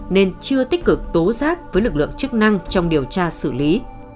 nên chưa tích cực tố giác với lực lượng chức năng trong điều tra xử lý